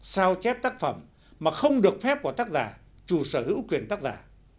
sao chép tác phẩm mà không được phép của tác giả chủ sở hữu quyền tác giả